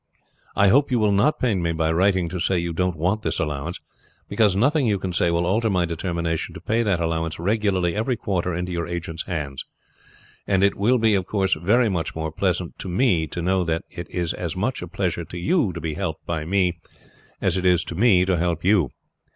I hope you will not pain me by writing to say you don't want this allowance, because nothing you can say will alter my determination to pay that allowance regularly every quarter into your agent's hands; and it will be, of course, very much more pleasant to me to know that it is as much a pleasure to you to be helped by me as it is to me to help you.